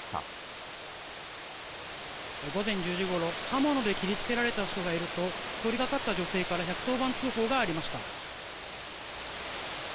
今日午前１０時ごろ刃物で切り付けられた人がいると通りがかった女性から１１０番通報がありました。